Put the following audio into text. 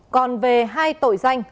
còn về hai tội danh